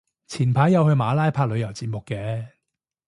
前排有去馬拉拍旅遊節目嘅